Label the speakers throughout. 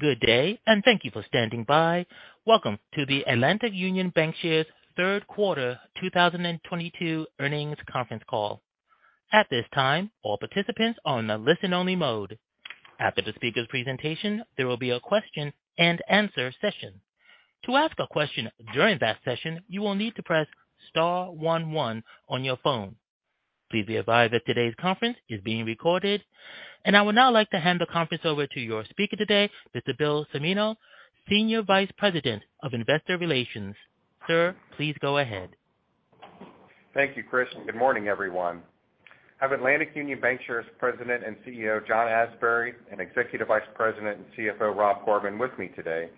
Speaker 1: Good day, thank you for standing by. Welcome to the Atlantic Union Bankshares third quarter 2022 earnings conference call. At this time, all participants are on a listen-only mode. After the speaker presentation, there will be a question and answer session. To ask a question during that session, you will need to press star one one on your phone. Please be advised that today's conference is being recorded. I would now like to hand the conference over to your speaker today, Mr. Bill Cimino, Senior Vice President of Investor Relations. Sir, please go ahead.
Speaker 2: Thank you, Chris, and good morning, everyone. I have Atlantic Union Bankshares President and CEO, John Asbury, and Executive Vice President and CFO, Rob Gorman, with me today.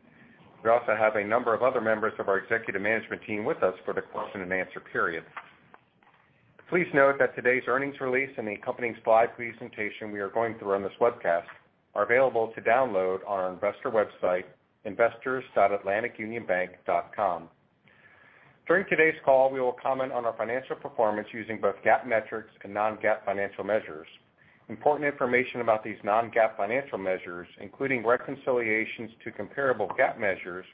Speaker 2: We also have a number of other members of our executive management team with us for the question and answer period. Please note that today's earnings release and the accompanying slide presentation we are going through on this webcast are available to download on our investor website, investors.atlanticunionbank.com. During today's call, we will comment on our financial performance using both GAAP metrics and non-GAAP financial measures. Important information about these non-GAAP financial measures, including reconciliations to comparable GAAP measures,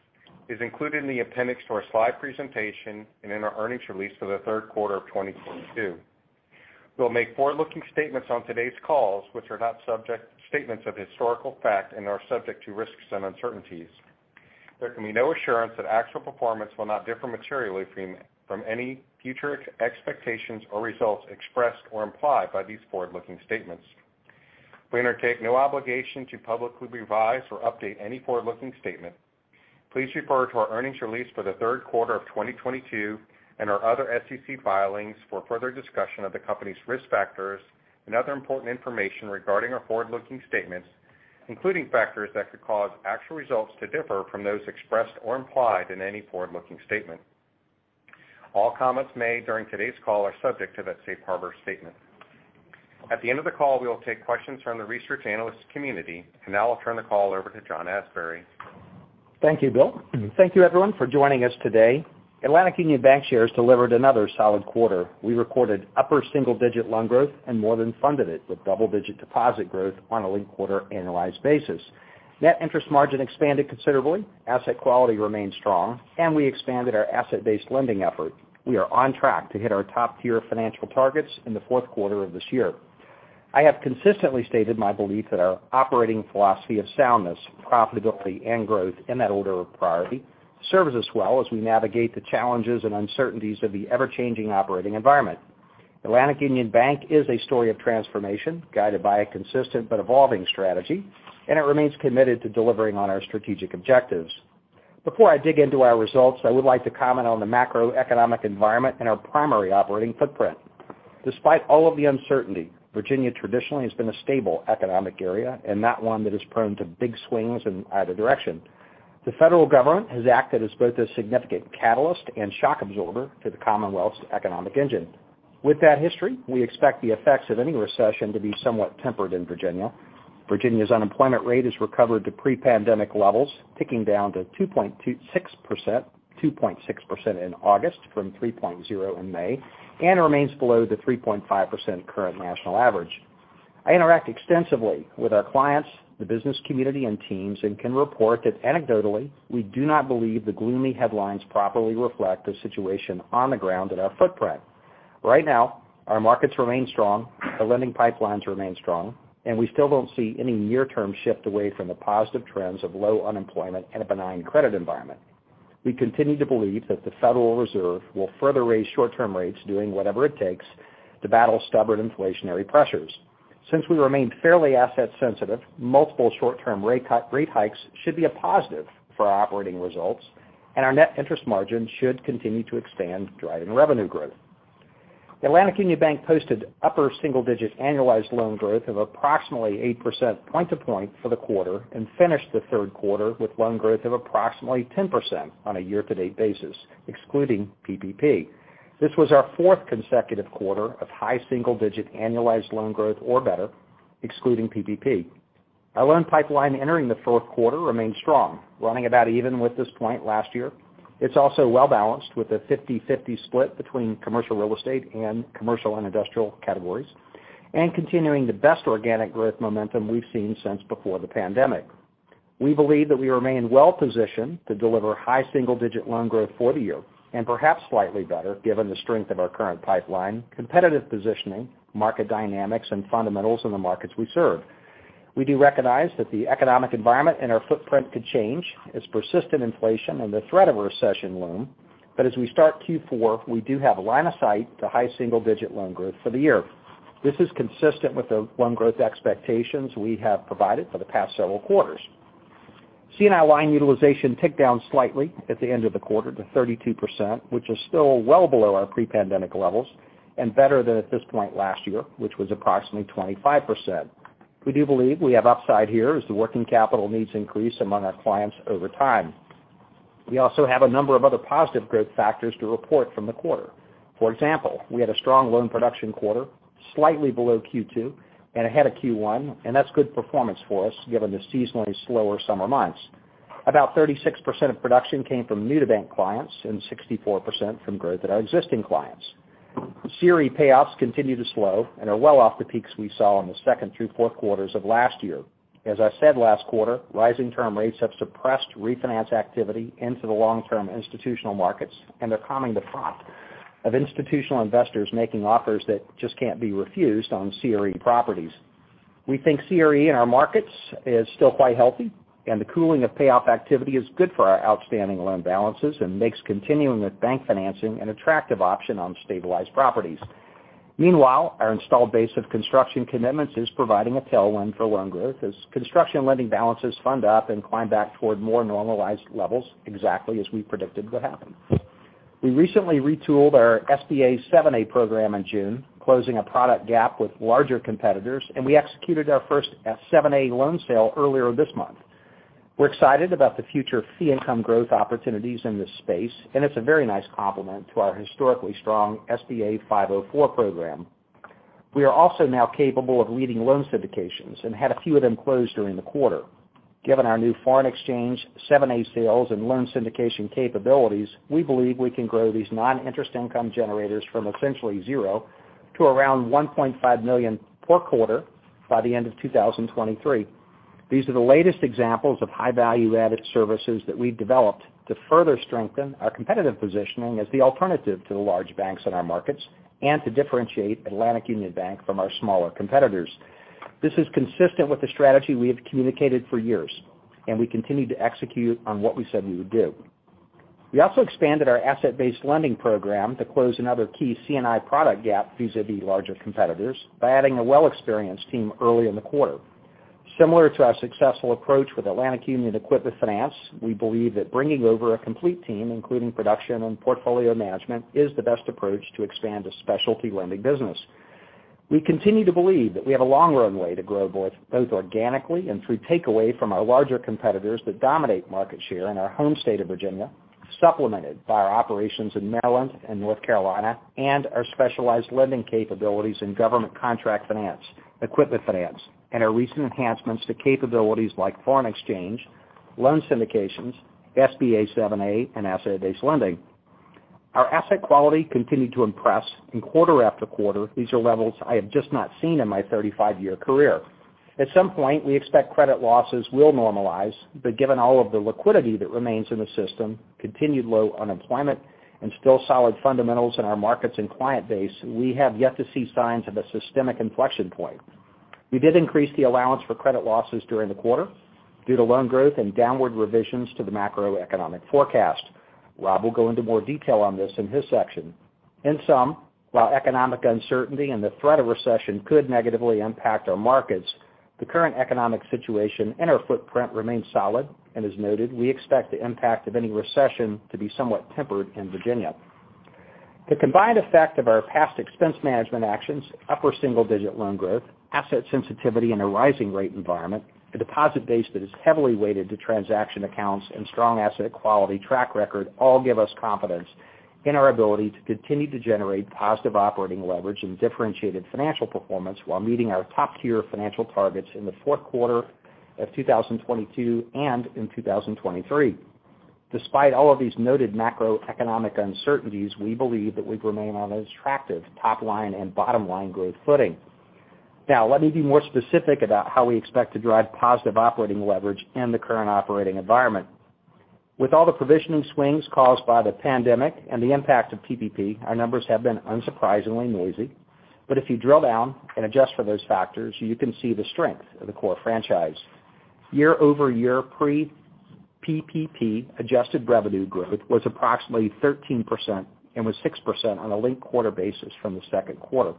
Speaker 2: is included in the appendix to our slide presentation and in our earnings release for the third quarter of 2022. We'll make forward-looking statements on today's call, which are not statements of historical fact and are subject to risks and uncertainties. There can be no assurance that actual performance will not differ materially from any future expectations or results expressed or implied by these forward-looking statements. We undertake no obligation to publicly revise or update any forward-looking statement. Please refer to our earnings release for the third quarter of 2022 and our other SEC filings for further discussion of the company's risk factors and other important information regarding our forward-looking statements, including factors that could cause actual results to differ from those expressed or implied in any forward-looking statement. All comments made during today's call are subject to that safe harbor statement. At the end of the call, we will take questions from the research analyst community. Now I'll turn the call over to John Asbury.
Speaker 3: Thank you, Bill. Thank you everyone for joining us today. Atlantic Union Bankshares delivered another solid quarter. We recorded upper single-digit loan growth and more than funded it with double-digit deposit growth on a linked quarter annualized basis. Net interest margin expanded considerably, asset quality remains strong, and we expanded our asset-based lending effort. We are on track to hit our top-tier financial targets in the fourth quarter of this year. I have consistently stated my belief that our operating philosophy of soundness, profitability, and growth in that order of priority serves us well as we navigate the challenges and uncertainties of the ever-changing operating environment. Atlantic Union Bank is a story of transformation, guided by a consistent but evolving strategy, and it remains committed to delivering on our strategic objectives. Before I dig into our results, I would like to comment on the macroeconomic environment and our primary operating footprint. Despite all of the uncertainty, Virginia traditionally has been a stable economic area, and not one that is prone to big swings in either direction. The federal government has acted as both a significant catalyst and shock absorber to the Commonwealth's economic engine. With that history, we expect the effects of any recession to be somewhat tempered in Virginia. Virginia's unemployment rate has recovered to pre-pandemic levels, ticking down to 2.6% in August from 3.1% in May, and remains below the 3.5% current national average. I interact extensively with our clients, the business community, and teams, and can report that anecdotally, we do not believe the gloomy headlines properly reflect the situation on the ground in our footprint. Right now, our markets remain strong, our lending pipelines remain strong, and we still don't see any near-term shift away from the positive trends of low unemployment and a benign credit environment. We continue to believe that the Federal Reserve will further raise short-term rates, doing whatever it takes to battle stubborn inflationary pressures. Since we remained fairly asset sensitive, multiple short-term rate hikes should be a positive for our operating results, and our net interest margin should continue to expand, driving revenue growth. Atlantic Union Bank posted upper single digit annualized loan growth of approximately 8% pointto-point for the quarter and finished the third quarter with loan growth of approximately 10% on a year-to-date basis, excluding PPP. This was our fourth consecutive quarter of high single digit annualized loan growth or better, excluding PPP. Our loan pipeline entering the fourth quarter remains strong, running about even with this point last year. It's also well-balanced, with a 50-50 split between commercial real estate and commercial and industrial categories, and continuing the best organic growth momentum we've seen since before the pandemic. We believe that we remain well-positioned to deliver high single-digit loan growth for the year, and perhaps slightly better given the strength of our current pipeline, competitive positioning, market dynamics, and fundamentals in the markets we serve. We do recognize that the economic environment and our footprint could change as persistent inflation and the threat of a recession loom. As we start Q4, we do have a line of sight to high single-digit loan growth for the year. This is consistent with the loan growth expectations we have provided for the past several quarters. C&I line utilization ticked down slightly at the end of the quarter to 32%, which is still well below our pre-pandemic levels and better than at this point last year, which was approximately 25%. We do believe we have upside here as the working capital needs increase among our clients over time. We also have a number of other positive growth factors to report from the quarter. For example, we had a strong loan production quarter, slightly below Q2 and ahead of Q1, and that's good performance for us given the seasonally slower summer months. About 36% of production came from new-to-bank clients and 64% from growth at our existing clients. CRE payoffs continue to slow and are well off the peaks we saw in the second through fourth quarters of last year. As I said last quarter, rising term rates have suppressed refinance activity into the long-term institutional markets, and they're calming the froth of institutional investors making offers that just can't be refused on CRE properties. We think CRE in our markets is still quite healthy, and the cooling of payoff activity is good for our outstanding loan balances and makes continuing with bank financing an attractive option on stabilized properties. Meanwhile, our installed base of construction commitments is providing a tailwind for loan growth as construction lending balances fund up and climb back toward more normalized levels, exactly as we predicted would happen. We recently retooled our SBA 7(a) program in June, closing a product gap with larger competitors, and we executed our first, 7(a) loan sale earlier this month. We're excited about the future fee income growth opportunities in this space, and it's a very nice complement to our historically strong SBA 504 program. We are also now capable of leading loan syndications and had a few of them close during the quarter. Given our new foreign exchange, 7(a) sales, and loan syndication capabilities, we believe we can grow these non-interest income generators from essentially zero to around $1.5 million per quarter by the end of 2023. These are the latest examples of high-value-added services that we've developed to further strengthen our competitive positioning as the alternative to the large banks in our markets and to differentiate Atlantic Union Bank from our smaller competitors. This is consistent with the strategy we have communicated for years, and we continue to execute on what we said we would do. We also expanded our asset-based lending program to close another key C&I product gap vis-à-vis larger competitors by adding a well-experienced team early in the quarter. Similar to our successful approach with Atlantic Union Equipment Finance, we believe that bringing over a complete team, including production and portfolio management, is the best approach to expand a specialty lending business. We continue to believe that we have a long runway to grow both organically and through takeaway from our larger competitors that dominate market share in our home state of Virginia, supplemented by our operations in Maryland and North Carolina and our specialized lending capabilities in government contract finance, equipment finance, and our recent enhancements to capabilities like foreign exchange, loan syndications, SBA 7(a), and asset-based lending. Our asset quality continued to impress, and quarter after quarter, these are levels I have just not seen in my 35-year career. At some point, we expect credit losses will normalize, but given all of the liquidity that remains in the system, continued low unemployment, and still solid fundamentals in our markets and client base, we have yet to see signs of a systemic inflection point. We did increase the allowance for credit losses during the quarter due to loan growth and downward revisions to the macroeconomic forecast. Rob will go into more detail on this in his section. In sum, while economic uncertainty and the threat of recession could negatively impact our markets, the current economic situation and our footprint remain solid. As noted, we expect the impact of any recession to be somewhat tempered in Virginia. The combined effect of our past expense management actions, upper single-digit loan growth, asset sensitivity in a rising rate environment, a deposit base that is heavily weighted to transaction accounts, and strong asset quality track record all give us confidence in our ability to continue to generate positive operating leverage and differentiated financial performance while meeting our top-tier financial targets in the fourth quarter of 2022 and in 2023. Despite all of these noted macroeconomic uncertainties, we believe that we remain on an attractive top-line and bottom-line growth footing. Now, let me be more specific about how we expect to drive positive operating leverage in the current operating environment. With all the provisioning swings caused by the pandemic and the impact of PPP, our numbers have been unsurprisingly noisy. If you drill down and adjust for those factors, you can see the strength of the core franchise. Year-over-year pre-PPP adjusted revenue growth was approximately 13% and was 6% on a linked quarter basis from the second quarter.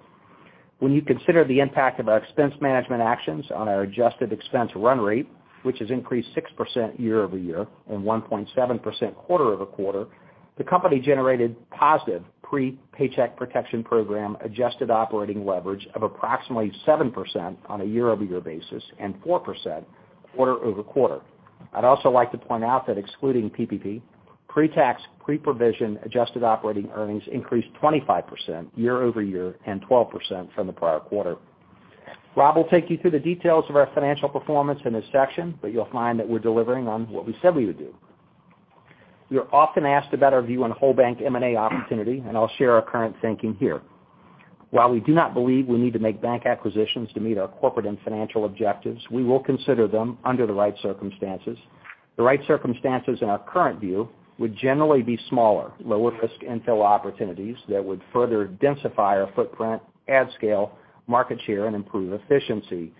Speaker 3: When you consider the impact of our expense management actions on our adjusted expense run rate, which has increased 6% year over year and 1.7% quarter over quarter, the company generated positive pre-Paycheck Protection Program adjusted operating leverage of approximately 7% on a year-over-year basis and 4% quarter over quarter. I'd also like to point out that excluding PPP, pre-tax, pre-provision adjusted operating earnings increased 25% year over year and 12% from the prior quarter. Rob will take you through the details of our financial performance in this section, but you'll find that we're delivering on what we said we would do. We are often asked about our view on whole bank M&A opportunity, and I'll share our current thinking here. While we do not believe we need to make bank acquisitions to meet our corporate and financial objectives, we will consider them under the right circumstances. The right circumstances in our current view would generally be smaller, lower-risk infill opportunities that would further densify our footprint, add scale, market share, and improve efficiency.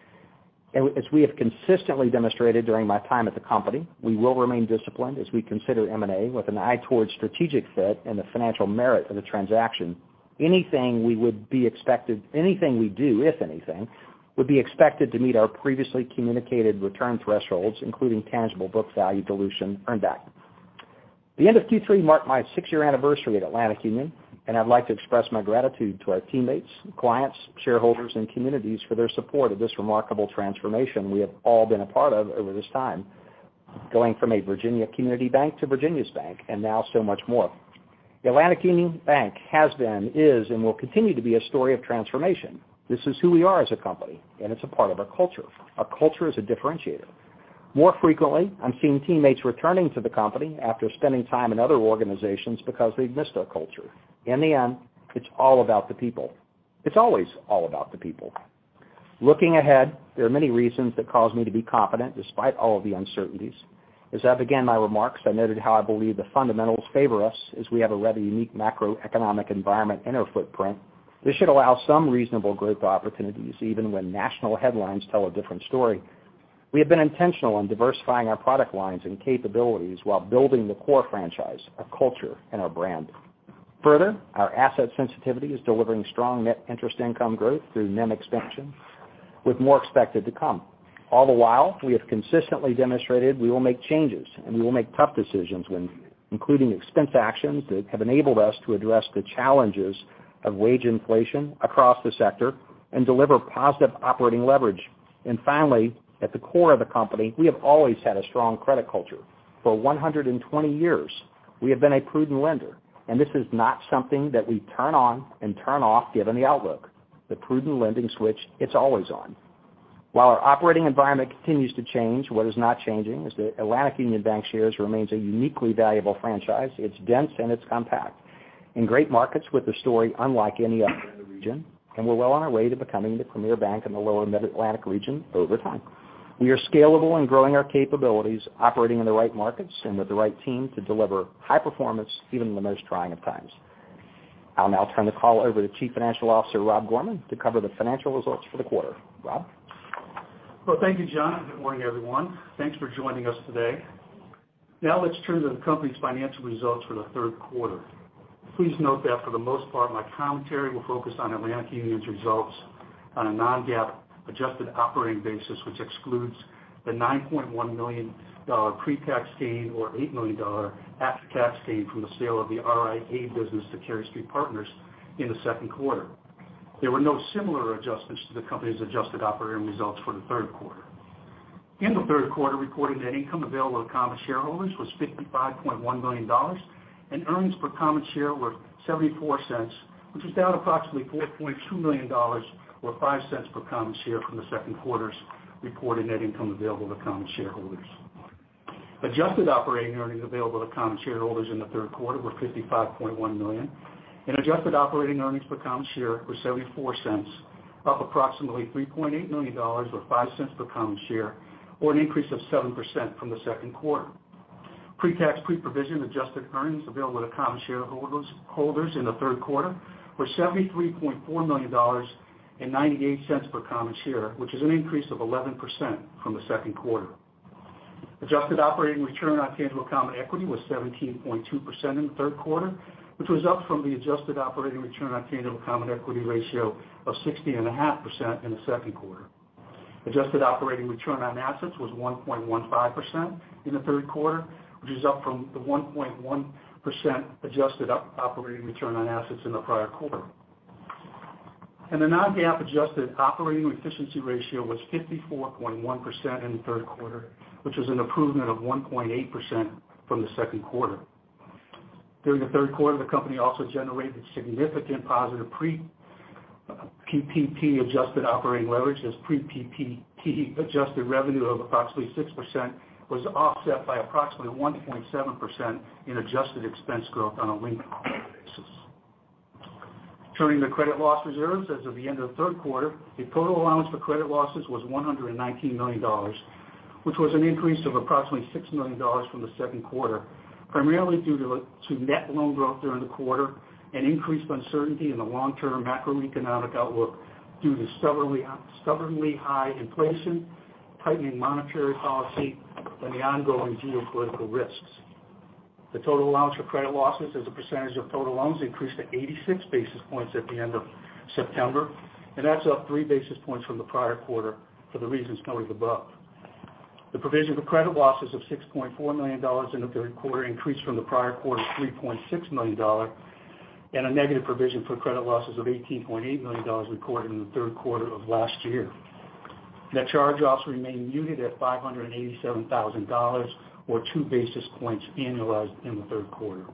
Speaker 3: As we have consistently demonstrated during my time at the company, we will remain disciplined as we consider M&A with an eye towards strategic fit and the financial merit of the transaction. Anything we do, if anything, would be expected to meet our previously communicated return thresholds, including tangible book value dilution earned back. The end of Q3 marked my six-year anniversary at Atlantic Union, and I'd like to express my gratitude to our teammates, clients, shareholders, and communities for their support of this remarkable transformation we have all been a part of over this time, going from a Virginia community bank to Virginia's bank and now so much more. Atlantic Union Bank has been, is, and will continue to be a story of transformation. This is who we are as a company, and it's a part of our culture. Our culture is a differentiator. More frequently, I'm seeing teammates returning to the company after spending time in other organizations because they've missed our culture. In the end, it's all about the people. It's always all about the people. Looking ahead, there are many reasons that cause me to be confident despite all of the uncertainties. As I began my remarks, I noted how I believe the fundamentals favor us as we have a rather unique macroeconomic environment in our footprint. This should allow some reasonable growth opportunities even when national headlines tell a different story. We have been intentional in diversifying our product lines and capabilities while building the core franchise, our culture, and our brand. Further, our asset sensitivity is delivering strong net interest income growth through NIM expansion, with more expected to come. All the while, we have consistently demonstrated we will make changes, and we will make tough decisions when, including expense actions that have enabled us to address the challenges of wage inflation across the sector and deliver positive operating leverage. Finally, at the core of the company, we have always had a strong credit culture. For 120 years, we have been a prudent lender, and this is not something that we turn on and turn off given the outlook. The prudent lending switch, it's always on. While our operating environment continues to change, what is not changing is that Atlantic Union Bankshares remains a uniquely valuable franchise. It's dense, and it's compact. In great markets with a story unlike any other in the region, and we're well on our way to becoming the premier bank in the lower Mid-Atlantic region over time. We are scalable and growing our capabilities, operating in the right markets and with the right team to deliver high performance even in the most trying of times. I'll now turn the call over to Chief Financial Officer, Rob Gorman, to cover the financial results for the quarter. Rob?
Speaker 4: Well, thank you, John, and good morning, everyone. Thanks for joining us today. Now let's turn to the company's financial results for the third quarter. Please note that for the most part, my commentary will focus on Atlantic Union's results on a non-GAAP adjusted operating basis, which excludes the $9.1 million pre-tax gain or $8 million after-tax gain from the sale of the RIA business to Cary Street Partners in the second quarter. There were no similar adjustments to the company's adjusted operating results for the third quarter. In the third quarter, reported net income available to common shareholders was $55.1 million, and earnings per common share were $0.74, which is down approximately $4.2 million or $0.05 per common share from the second quarter's reported net income available to common shareholders. Adjusted operating earnings available to common shareholders in the third quarter were $55.1 million, and adjusted operating earnings per common share were $0.74, up approximately $3.8 million or 5 cents per common share or an increase of 7% from the second quarter. Pre-tax, pre-provision adjusted earnings available to common shareholders in the third quarter were $73.4 million and $0.98 per common share, which is an increase of 11% from the second quarter. Adjusted operating return on tangible common equity was 17.2% in the third quarter, which was up from the adjusted operating return on tangible common equity ratio of 16.5% in the second quarter. Adjusted operating return on assets was 1.15% in the third quarter, which is up from the 1.1% adjusted operating return on assets in the prior quarter. The non-GAAP adjusted operating efficiency ratio was 54.1% in the third quarter, which is an improvement of 1.8% from the second quarter. During the third quarter, the company also generated significant positive pre-PPP-adjusted operating leverage as pre-PPP-adjusted revenue of approximately 6% was offset by approximately 1.7% in adjusted expense growth on a linked basis. Turning to credit loss reserves, as of the end of the third quarter, the total allowance for credit losses was $119 million, which was an increase of approximately $6 million from the second quarter, primarily due to net loan growth during the quarter and increased uncertainty in the long-term macroeconomic outlook due to stubbornly high inflation, tightening monetary policy, and the ongoing geopolitical risks. The total allowance for credit losses as a percentage of total loans increased to 86 basis points at the end of September, and that's up 3 basis points from the prior quarter for the reasons noted above. The provision for credit losses of $6.4 million in the third quarter increased from the prior quarter $3.6 million and a negative provision for credit losses of $18.8 million recorded in the third quarter of last year. Net charge-offs remain muted at $587,000 or 2 basis points annualized in the third quarter.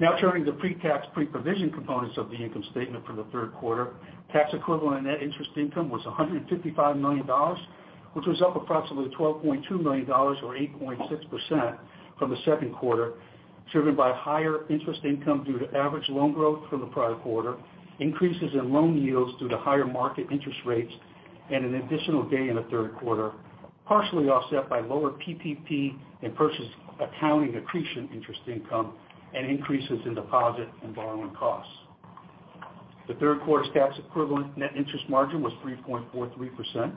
Speaker 4: Now turning to pre-tax, pre-provision components of the income statement for the third quarter. Tax equivalent net interest income was $155 million, which was up approximately $12.2 million or 8.6% from the second quarter, driven by higher interest income due to average loan growth from the prior quarter, increases in loan yields due to higher market interest rates, and an additional day in the third quarter, partially offset by lower PPP and purchase accounting accretion interest income and increases in deposit and borrowing costs. The third quarter's tax equivalent net interest margin was 3.43%,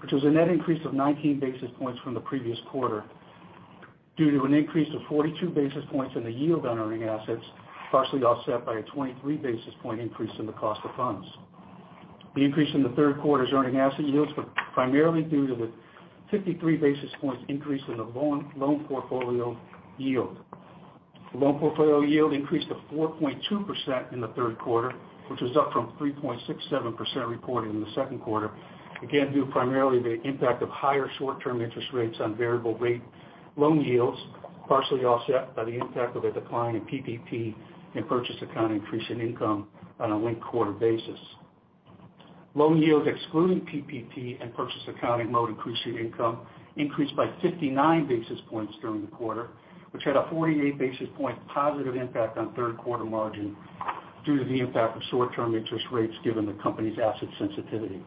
Speaker 4: which was a net increase of 19 basis points from the previous quarter due to an increase of 42 basis points in the yield on earning assets, partially offset by a 23 basis point increase in the cost of funds. The increase in the third quarter's earning asset yields were primarily due to the 53 basis points increase in the loan portfolio yield. The loan portfolio yield increased to 4.2% in the third quarter, which was up from 3.67% reported in the second quarter. Again, due primarily to the impact of higher short-term interest rates on variable rate loan yields, partially offset by the impact of a decline in PPP and purchase accounting increase in income on a linked quarter basis. Loan yields excluding PPP and purchase accounting loan increase in income increased by 59 basis points during the quarter, which had a 48 basis point positive impact on third quarter margin due to the impact of short-term interest rates given the company's asset sensitivity.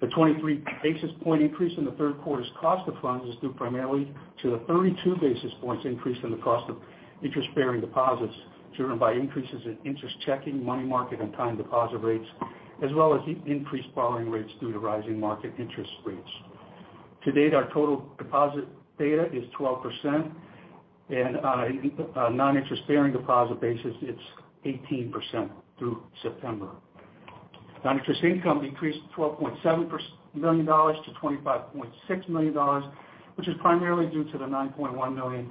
Speaker 4: The 23 basis points increase in the third quarter's cost of funds is due primarily to the 32 basis points increase in the cost of interest-bearing deposits, driven by increases in interest checking, money market, and time deposit rates, as well as increased borrowing rates due to rising market interest rates. To date, our total deposit beta is 12% and on a non-interest-bearing deposit basis, it's 18% through September. Non-interest income decreased $12.7 million to $25.6 million, which is primarily due to the $9.1 million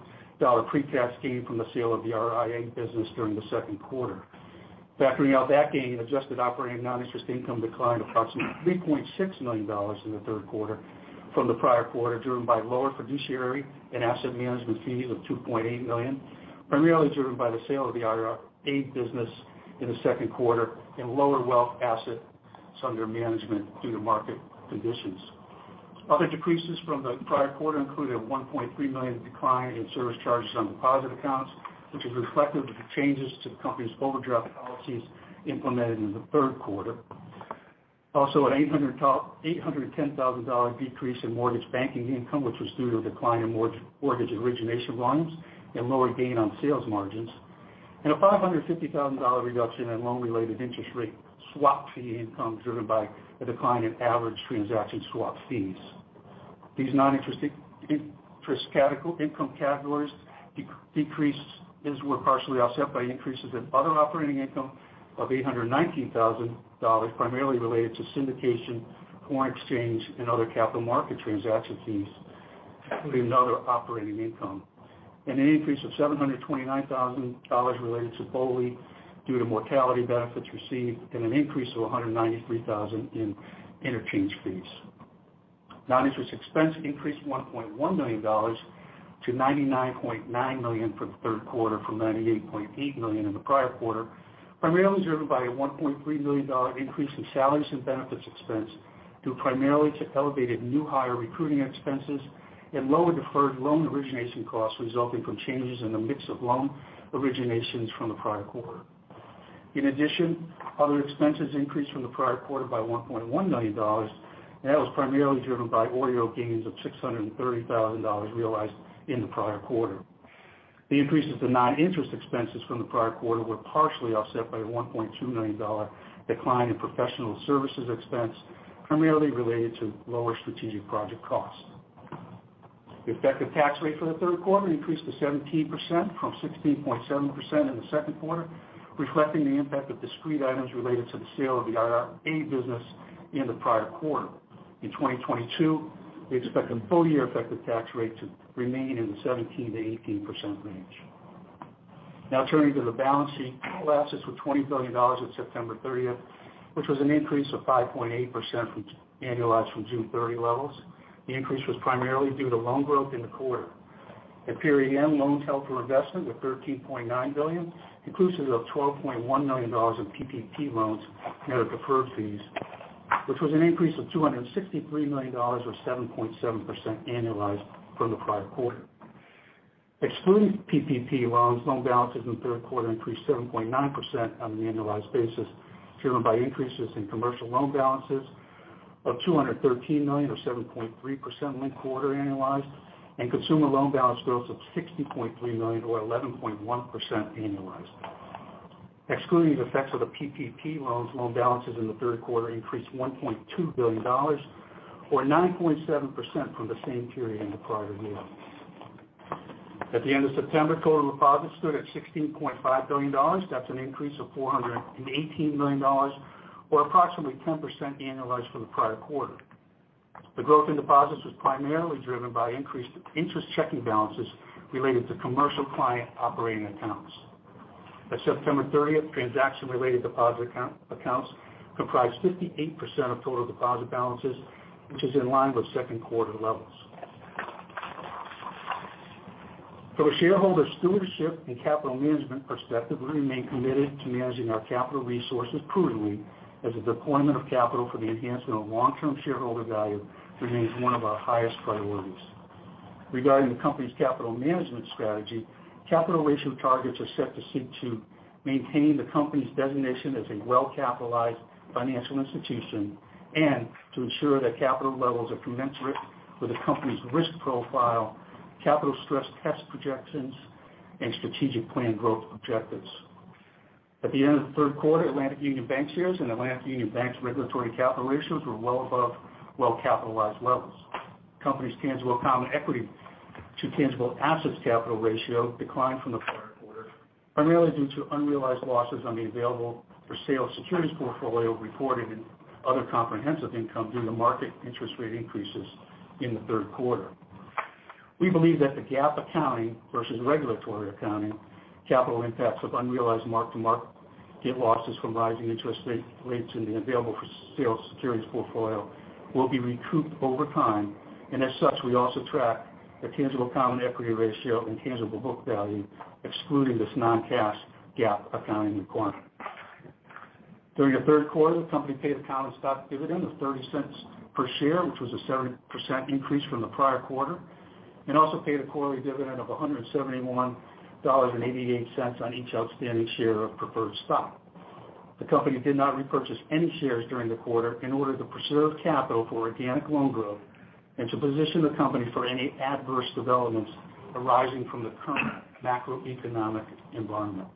Speaker 4: pre-tax gain from the sale of the RIA business during the second quarter. Factoring out that gain, adjusted operating non-interest income declined approximately $3.6 million in the third quarter from the prior quarter, driven by lower fiduciary and asset management fees of $2.8 million, primarily driven by the sale of the RIA business in the second quarter and lower wealth assets under management due to market conditions. Other decreases from the prior quarter included a $1.3 million decline in service charges on deposit accounts, which is reflective of the changes to the company's overdraft policies implemented in the third quarter. Also, an eight hundred and ten thousand decrease in mortgage banking income, which was due to a decline in mortgage origination volumes and lower gain on sales margins, and a $550,000 reduction in loan-related interest rate swap fee income driven by a decline in average transaction swap fees. These non-interest income categories decreases were partially offset by increases in other operating income of $819 thousand, primarily related to syndication, foreign exchange, and other capital market transaction fees, including other operating income. An increase of $729 thousand related to BOLI due to mortality benefits received and an increase of $193 thousand in interchange fees. Non-interest expense increased $1.1 million to $99.9 million for the third quarter from $98.8 million in the prior quarter, primarily driven by a $1.3 million increase in salaries and benefits expense, due primarily to elevated new hire recruiting expenses and lower deferred loan origination costs resulting from changes in the mix of loan originations from the prior quarter. In addition, other expenses increased from the prior quarter by $1.1 million. That was primarily driven by OREO gains of $630 thousand realized in the prior quarter. The increases to non-interest expenses from the prior quarter were partially offset by a $1.2 million dollar decline in professional services expense, primarily related to lower strategic project costs. The effective tax rate for the third quarter increased to 17% from 16.7% in the second quarter, reflecting the impact of discrete items related to the sale of the RIA business in the prior quarter. In 2022, we expect the full-year effective tax rate to remain in the 17%-18% range. Now turning to the balance sheet. Total assets were $20 billion on September thirtieth, which was an increase of 5.8% annualized from June thirty levels. The increase was primarily due to loan growth in the quarter. At period end, loans held for investment were $13.9 billion, inclusive of $12.1 million in PPP loans and their deferred fees, which was an increase of $263 million or 7.7% annualized from the prior quarter. Excluding PPP loans, loan balances in the third quarter increased 7.9% on an annualized basis, driven by increases in commercial loan balances of $213 million or 7.3% linked quarter annualized and consumer loan balance growth of $60.3 million or 11.1% annualized. Excluding the effects of the PPP loans, loan balances in the third quarter increased $1.2 billion or 9.7% from the same period in the prior year. At the end of September, total deposits stood at $16.5 billion. That's an increase of $418 million or approximately 10% annualized from the prior quarter. The growth in deposits was primarily driven by increased interest checking balances related to commercial client operating accounts. At September thirtieth, transaction-related deposit accounts comprised 58% of total deposit balances, which is in line with second quarter levels. From a shareholder stewardship and capital management perspective, we remain committed to managing our capital resources prudently as the deployment of capital for the enhancement of long-term shareholder value remains one of our highest priorities. Regarding the company's capital management strategy, capital ratio targets are set to seek to maintain the company's designation as a well-capitalized financial institution and to ensure that capital levels are commensurate with the company's risk profile, capital stress test projections, and strategic plan growth objectives. At the end of the third quarter, Atlantic Union Bankshares and Atlantic Union Bank's regulatory capital ratios were well above well-capitalized levels. Company's tangible common equity to tangible assets capital ratio declined from the prior quarter, primarily due to unrealized losses on the available for sale securities portfolio reported in other comprehensive income due to market interest rate increases in the third quarter. We believe that the GAAP accounting versus regulatory accounting capital impacts of unrealized mark-to-market losses from rising interest rates in the available for sale securities portfolio will be recouped over time. As such, we also track the tangible common equity ratio and tangible book value excluding this non-cash GAAP accounting requirement. During the third quarter, the company paid a common stock dividend of $0.30 per share, which was a 70% increase from the prior quarter, and also paid a quarterly dividend of $171.88 on each outstanding share of preferred stock. The company did not repurchase any shares during the quarter in order to preserve capital for organic loan growth and to position the company for any adverse developments arising from the current macroeconomic environment.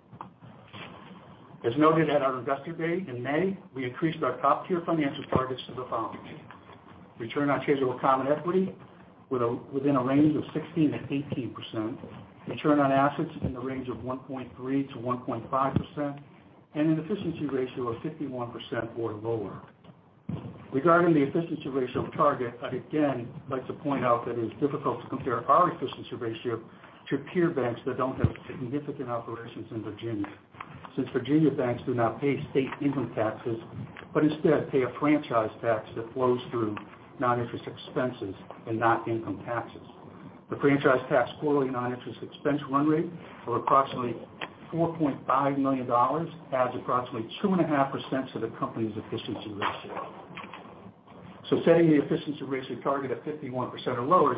Speaker 4: As noted at our Investor Day in May, we increased our top-tier financial targets to the following. Return on tangible common equity within a range of 16%-18%, return on assets in the range of 1.3%-1.5%, and an efficiency ratio of 51% or lower. Regarding the efficiency ratio target, I'd again like to point out that it's difficult to compare our efficiency ratio to peer banks that don't have significant operations in Virginia, since Virginia banks do not pay state income taxes, but instead pay a franchise tax that flows through non-interest expenses and not income taxes. The franchise tax quarterly non-interest expense run rate of approximately $4.5 million adds approximately 2.5% to the company's efficiency ratio. Setting the efficiency ratio target at 51% or lower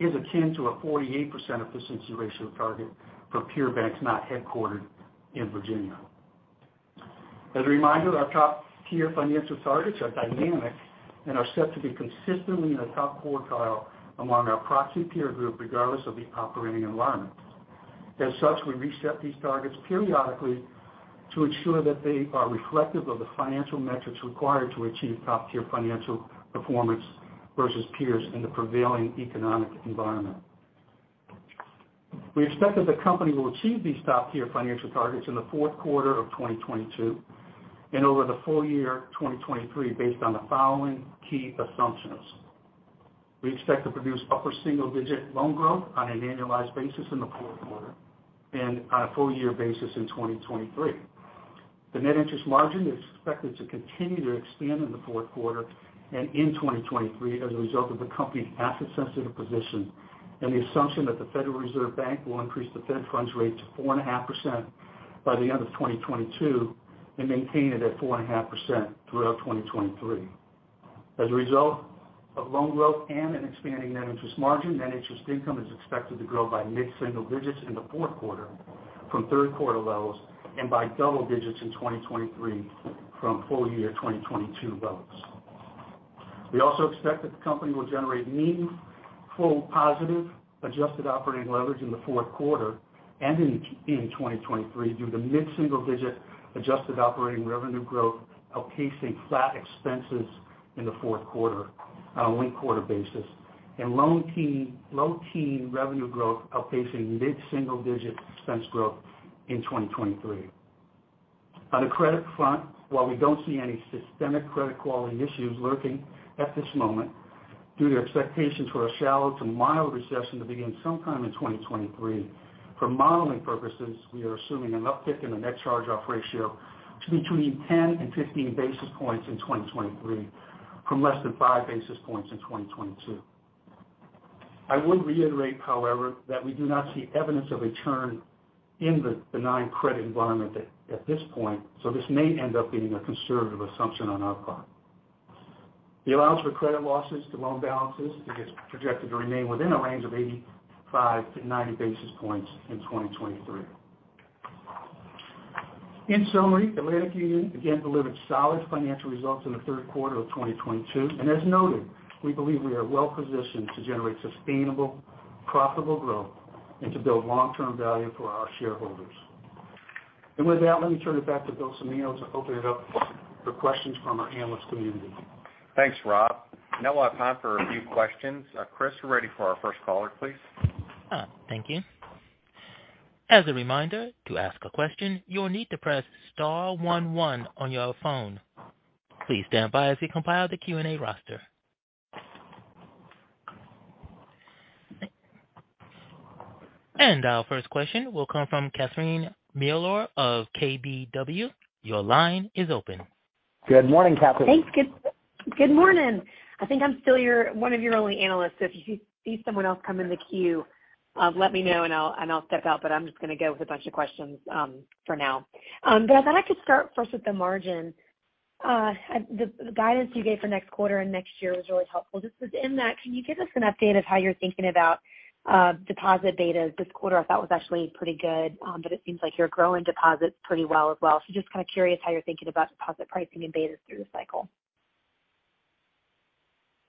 Speaker 4: is akin to a 48% efficiency ratio target for peer banks not headquartered in Virginia. As a reminder, our top-tier financial targets are dynamic and are set to be consistently in the top quartile among our proxy peer group, regardless of the operating environment. As such, we reset these targets periodically to ensure that they are reflective of the financial metrics required to achieve top-tier financial performance versus peers in the prevailing economic environment. We expect that the company will achieve these top-tier financial targets in the fourth quarter of 2022 and over the full year 2023 based on the following key assumptions. We expect to produce upper single digit loan growth on an annualized basis in the fourth quarter and on a full year basis in 2023. The net interest margin is expected to continue to expand in the fourth quarter and in 2023 as a result of the company's asset sensitive position and the assumption that the Federal Reserve Bank will increase the Fed funds rate to 4.5% by the end of 2022 and maintain it at 4.5% throughout 2023. As a result of loan growth and an expanding net interest margin, net interest income is expected to grow by mid-single digits% in the fourth quarter from third quarter levels and by double digits% in 2023 from full year 2022 levels. We also expect that the company will generate meaningful positive adjusted operating leverage in the fourth quarter and in 2023 due to mid-single digit adjusted operating revenue growth outpacing flat expenses in the fourth quarter on a linked quarter basis, and low teen revenue growth outpacing mid-single digit expense growth in 2023. On the credit front, while we don't see any systemic credit quality issues lurking at this moment due to expectations for a shallow to mild recession to begin sometime in 2023. For modeling purposes, we are assuming an uptick in the net charge-off ratio to between 10 and 15 basis points in 2023 from less than 5 basis points in 2022. I would reiterate, however, that we do not see evidence of a turn in the benign credit environment at this point, so this may end up being a conservative assumption on our part. The allowance for credit losses to loan balances is projected to remain within a range of 85-90 basis points in 2023. In summary, Atlantic Union again delivered solid financial results in the third quarter of 2022. As noted, we believe we are well positioned to generate sustainable, profitable growth and to build long-term value for our shareholders. With that, let me turn it back to Bill Cimino to open it up for questions from our analyst community.
Speaker 2: Thanks, Rob. Now we'll have time for a few questions. Chris, we're ready for our first caller, please.
Speaker 1: Thank you. As a reminder, to ask a question, you'll need to press star one one on your phone. Please stand by as we compile the Q&A roster. Our first question will come from Catherine Mealor of KBW. Your line is open.
Speaker 4: Good morning, Catherine.
Speaker 5: Thanks. Good morning. I think I'm still one of your only analysts. If you see someone else come in the queue, let me know, and I'll step out. I'm just gonna go with a bunch of questions for now. I'd like to start first with the margin. The guidance you gave for next quarter and next year was really helpful. Just within that, can you give us an update of how you're thinking about deposit betas this quarter? I thought it was actually pretty good, but it seems like you're growing deposits pretty well as well. Just kind of curious how you're thinking about deposit pricing and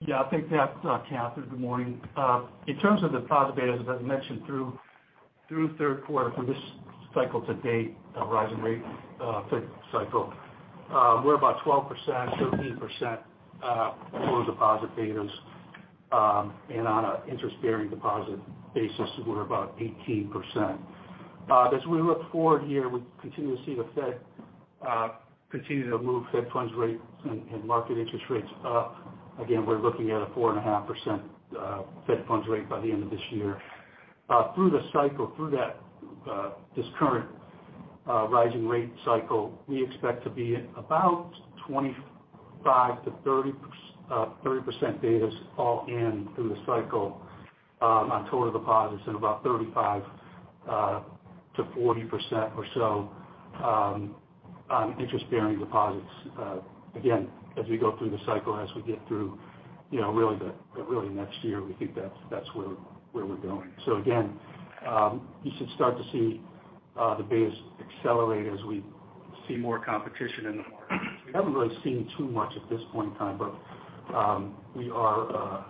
Speaker 5: betas through the cycle.
Speaker 4: Yeah. I'll take that, Catherine. Good morning. In terms of deposit betas, as I mentioned through third quarter for this cycle to date, rising rate Fed cycle, we're about 12%-13% total deposit betas. And on a interest-bearing deposit basis, we're about 18%. As we look forward here, we continue to see the Fed continue to move Fed funds rates and market interest rates up. Again, we're looking at a 4.5% Fed funds rate by the end of this year. Through the cycle, this rising rate cycle, we expect to be about 25%-30% betas all in through the cycle on total deposits and about 35%-40% or so on interest-bearing deposits. Again, as we go through the cycle, as we get through, you know, really next year, we think that's where we're going. Again, you should start to see the betas accelerate as we see more competition in the market. We haven't really seen too much at this point in time, but we are,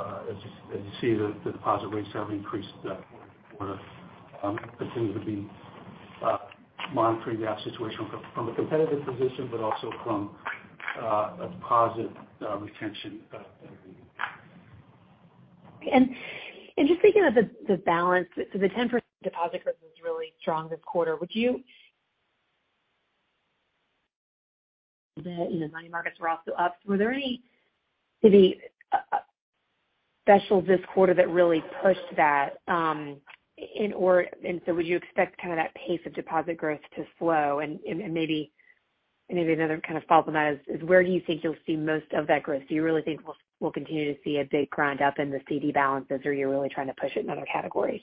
Speaker 4: as you see, the deposit rates have increased a bit more this quarter. We continue to be monitoring that situation from a competitive position, but also from a deposit retention view.
Speaker 5: Just thinking of the balance, so the 10% deposit growth was really strong this quarter. Would you? You know, money markets were also up. Were there any maybe specials this quarter that really pushed that in? Would you expect kind of that pace of deposit growth to slow? And maybe another kind of follow-up on that is where do you think you'll see most of that growth? Do you really think we'll continue to see a big grind up in the CD balances, or are you really trying to push it in other categories?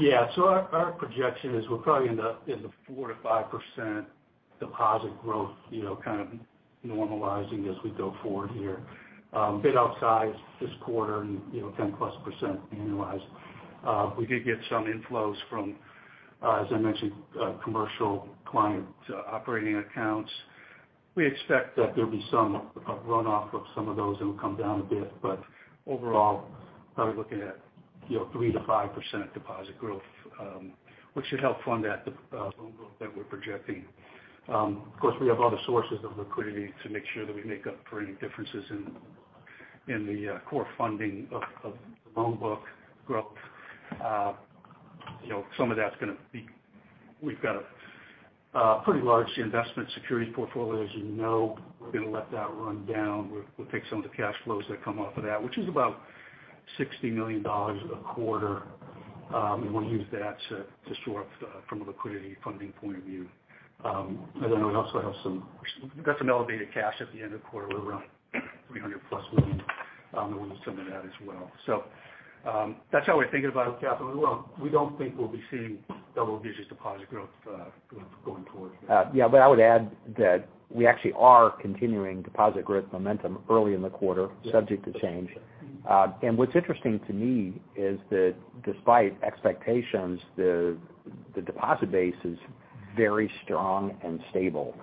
Speaker 4: Our projection is we'll probably end up in the 4%-5% deposit growth, you know, kind of normalizing as we go forward here. A bit outsized this quarter and, you know, 10%+ annualized. We did get some inflows from, as I mentioned, commercial client operating accounts. We expect that there'll be some, a runoff of some of those, it'll come down a bit, but overall, probably looking at, you know, 3%-5% deposit growth, which should help fund that loan growth that we're projecting. Of course, we have other sources of liquidity to make sure that we make up for any differences in the core funding of the loan book growth. You know, some of that's gonna be. We've got a pretty large investment security portfolio, as you know. We're gonna let that run down. We'll take some of the cash flows that come off of that, which is about $60 million a quarter, and we'll use that to shore up from a liquidity funding point of view. Then we also have some. We've got some elevated cash at the end of the quarter. We're around $300+ million. And we'll use some of that as well. That's how we're thinking about it, Catherine. We don't think we'll be seeing double-digit deposit growth going forward here.
Speaker 3: Yeah, I would add that we actually are continuing deposit growth momentum early in the quarter.
Speaker 4: Yes.
Speaker 3: Subject to change. What's interesting to me is that despite expectations, the deposit base is very strong and stable.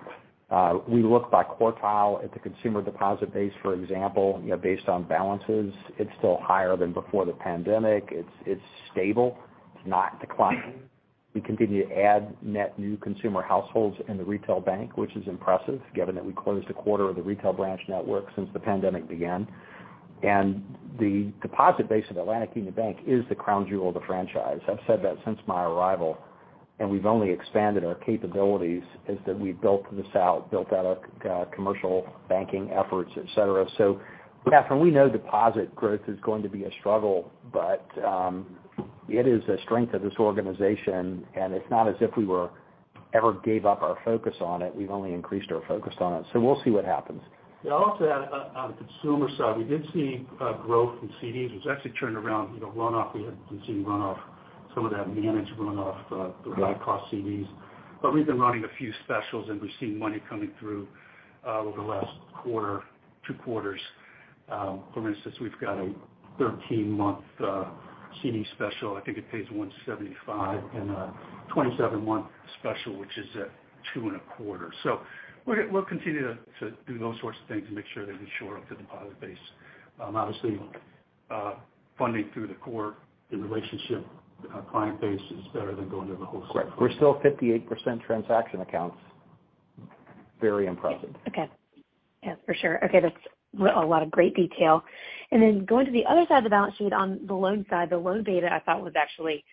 Speaker 3: We look by quartile at the consumer deposit base, for example, you know, based on balances, it's still higher than before the pandemic. It's stable. It's not declining. We continue to add net new consumer households in the retail bank, which is impressive given that we closed a quarter of the retail branch network since the pandemic began. The deposit base of Atlantic Union Bank is the crown jewel of the franchise. I've said that since my arrival, and we've only expanded our capabilities as we built this out, built out our commercial banking efforts, et cetera. Catherine, we know deposit growth is going to be a struggle, but it is a strength of this organization, and it's not as if we ever gave up our focus on it. We've only increased our focus on it. We'll see what happens.
Speaker 4: Yeah. I'll also add on the consumer side, we did see growth in CDs, which actually turned around, you know, runoff. We had been seeing runoff, some of that managed runoff, the high-cost CDs. We've been running a few specials, and we've seen money coming through over the last quarter, two quarters. For instance, we've got a 13-month CD special. I think it pays 1.75%, and a 27-month special which is at 2.25%. We'll continue to do those sorts of things and make sure that we shore up the deposit base. Obviously, funding through the core and relationship client base is better than going to the wholesale market.
Speaker 3: Right. We're still 58% transaction accounts. Very impressive.
Speaker 5: Okay. Yeah, for sure. Okay, that's a lot of great detail. Then going to the other side of the balance sheet on the loan side, the loan beta I thought was actually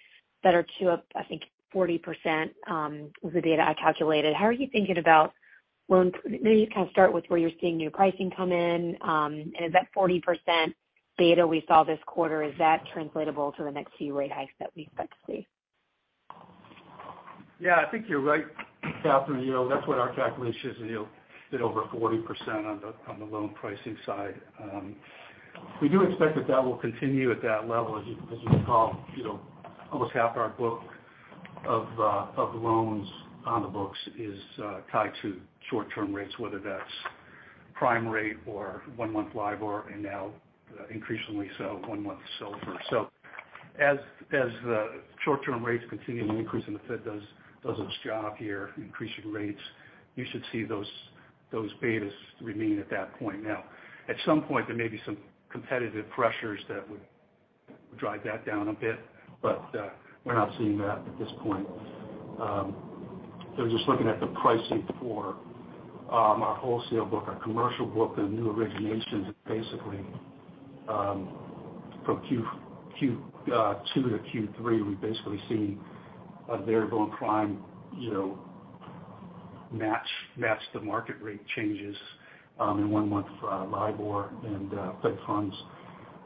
Speaker 5: better too, up, I think, 40%, was the data I calculated. How are you thinking about loan pricing? Maybe you kind of start with where you're seeing new pricing come in. Is that 40% beta we saw this quarter translatable to the next few rate hikes that we expect to see?
Speaker 4: Yeah, I think you're right, Catherine. You know, that's what our calculation is, and you did over 40% on the loan pricing side. We do expect that that will continue at that level. As you recall, you know, almost half our book of loans on the books is tied to short-term rates, whether that's prime rate or one-month LIBOR and now increasingly so, one-month SOFR. So as short-term rates continue to increase and the Fed does its job here increasing rates, you should see those betas remain at that point. Now, at some point, there may be some competitive pressures that would drive that down a bit, but we're not seeing that at this point. Just looking at the pricing for our wholesale book, our commercial book, the new originations basically from Q2 to Q3, we've basically seen a variable prime, you know, match the market rate changes in one month for LIBOR and Fed funds.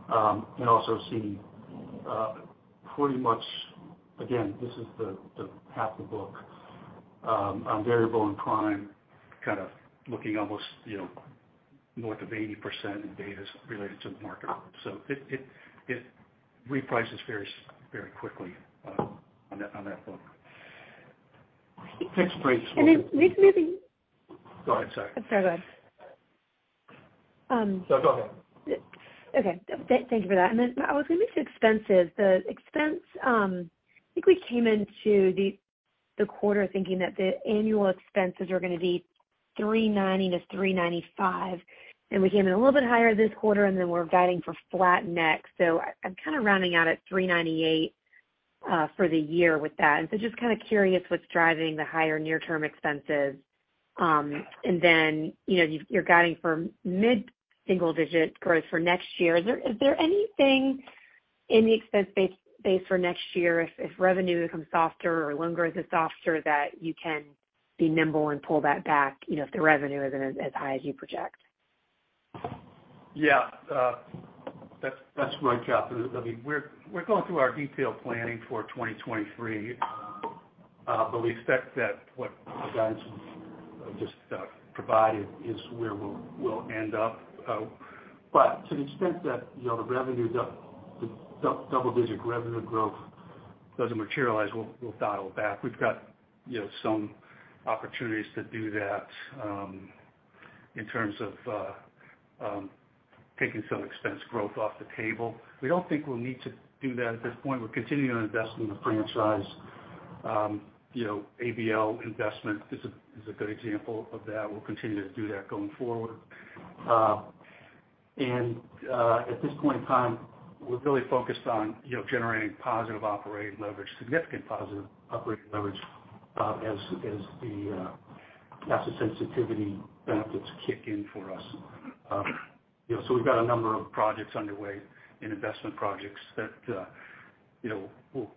Speaker 4: Also see pretty much again, this is half the book on variable and prime kind of looking almost, you know, north of 80% in betas related to the market. It reprices very quickly on that book.
Speaker 5: I think.
Speaker 4: Fixed rate is more.
Speaker 5: And then maybe-
Speaker 4: Go ahead, sorry.
Speaker 5: No, go ahead.
Speaker 4: No, go ahead.
Speaker 5: Okay. Thank you for that. I was gonna move to expenses. The expense, I think we came into the quarter thinking that the annual expenses were gonna be $390-$395, and we came in a little bit higher this quarter, and then we're guiding for flat next. I'm kind of rounding out at $398 for the year with that. Just kind of curious what's driving the higher near-term expenses. You know, you're guiding for mid-single-digit growth for next year. Is there anything in the expense base for next year if revenue comes softer or loan growth is softer, that you can be nimble and pull that back, you know, if the revenue isn't as high as you project?
Speaker 4: Yeah. That's right, Catherine. I mean, we're going through our detailed planning for 2023. We expect that the guidance just provided is where we'll end up. To the extent that, you know, the double-digit revenue growth doesn't materialize, we'll dial back. We've got, you know, some opportunities to do that, in terms of taking some expense growth off the table. We don't think we'll need to do that at this point. We're continuing to invest in the franchise. You know, ABL investment is a good example of that. We'll continue to do that going forward. At this point in time, we're really focused on, you know, generating positive operating leverage, significant positive operating leverage, as the asset sensitivity benefits kick in for us. You know, so we've got a number of projects underway in investment projects that, you know, will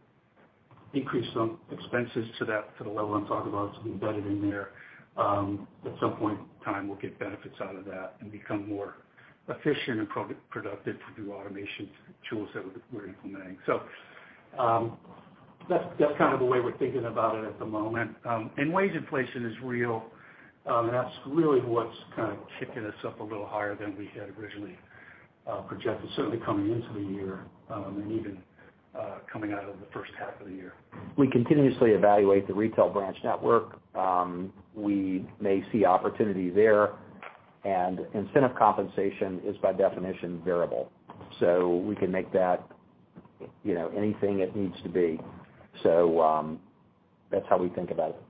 Speaker 4: increase some expenses to that, to the level I'm talking about. So we've got it in there. At some point in time, we'll get benefits out of that and become more efficient and productive through automation tools that we're implementing. So, that's kind of the way we're thinking about it at the moment. Wage inflation is real. That's really what's kind of kicking us up a little higher than we had originally projected, certainly coming into the year, and even coming out of the first half of the year.
Speaker 3: We continuously evaluate the retail branch network. We may see opportunity there. Incentive compensation is by definition variable. We can make that, you know, anything it needs to be. That's how we think about it.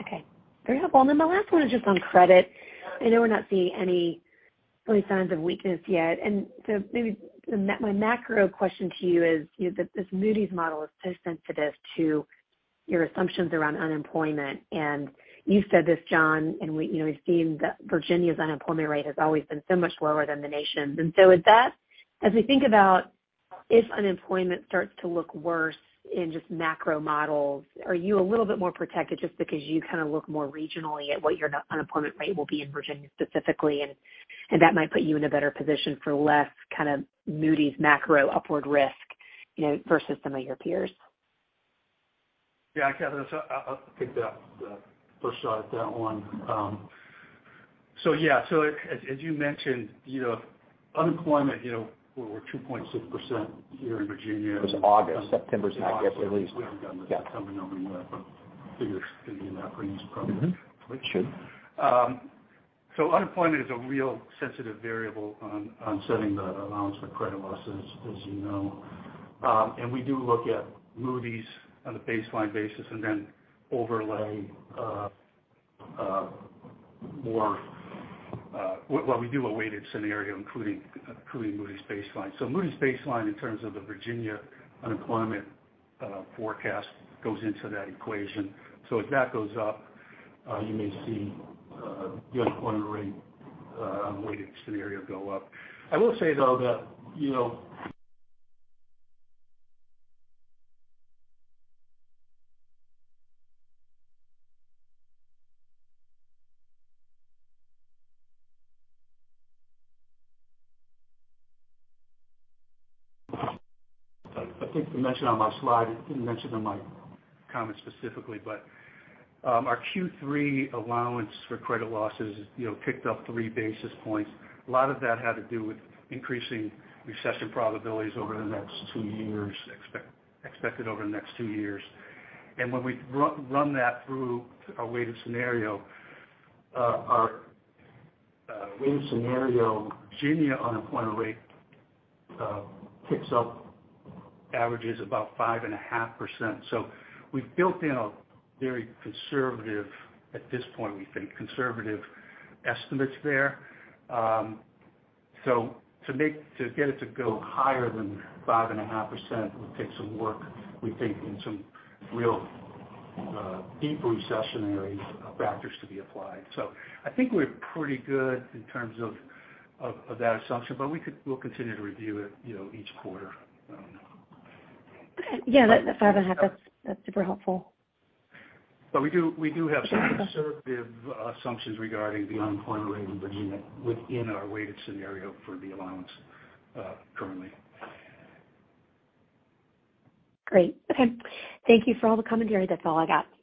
Speaker 5: Okay. Very helpful. Then my last one is just on credit. I know we're not seeing any early signs of weakness yet. Maybe my macro question to you is, you know, this Moody's model is so sensitive to your assumptions around unemployment. You've said this, John, and we, you know, we've seen that Virginia's unemployment rate has always been so much lower than the nation's. Is that, as we think about if unemployment starts to look worse in just macro models, are you a little bit more protected just because you kind of look more regionally at what your unemployment rate will be in Virginia specifically, and that might put you in a better position for less kind of Moody's macro upward risk, you know, versus some of your peers?
Speaker 4: Yeah. Catherine, so I'll take that, the first shot at that one. As you mentioned, you know, unemployment, you know, we're 2.6% here in Virginia.
Speaker 3: It was August. September's not yet released.
Speaker 4: We haven't gotten the September number yet, but figures could be in that range probably.
Speaker 3: Mm-hmm. Sure.
Speaker 4: Unemployment is a real sensitive variable on setting the allowance for credit losses, as you know. We do look at Moody's on a baseline basis. Well, we do a weighted scenario, including Moody's baseline. Moody's baseline in terms of the Virginia unemployment forecast goes into that equation. If that goes up, you may see the unemployment rate weighted scenario go up. I will say though that, you know I think we mentioned on my slide, I didn't mention in my comments specifically, but our Q3 allowance for credit losses, you know, ticked up three basis points. A lot of that had to do with increasing recession probabilities over the next two years, expected over the next two years. When we run that through our weighted scenario Virginia unemployment rate ticks up, averages about 5.5%. We've built in a very conservative, at this point we think, conservative estimates there. To get it to go higher than 5.5% would take some work, we think, and some real deep recessionary factors to be applied. I think we're pretty good in terms of that assumption, but we'll continue to review it, you know, each quarter.
Speaker 5: Okay. Yeah, that 5.5, that's super helpful.
Speaker 4: We do have some conservative assumptions regarding the unemployment rate in Virginia within our weighted scenario for the allowance, currently.
Speaker 5: Great. Okay. Thank you for all the commentary. That's all I got.
Speaker 3: Thank you,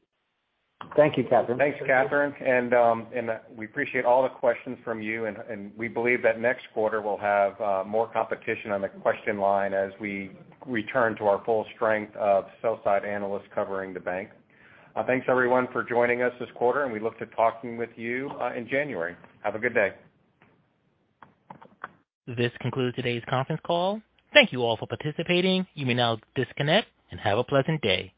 Speaker 3: Catherine.
Speaker 2: Thanks, Catherine. We appreciate all the questions from you. We believe that next quarter we'll have more competition on the question line as we return to our full strength of sell side analysts covering the bank. Thanks everyone for joining us this quarter, and we look to talking with you in January. Have a good day.
Speaker 1: This concludes today's conference call. Thank you all for participating. You may now disconnect and have a pleasant day.